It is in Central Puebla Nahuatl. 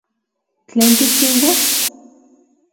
¿Tlen tikchiuas?